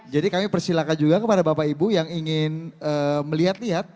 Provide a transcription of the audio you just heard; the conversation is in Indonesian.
jadi kami persilakan juga kepada bapak ibu yang ingin melihat lihat